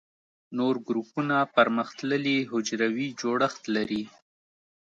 نور ګروپونه پرمختللي حجروي جوړښت لري.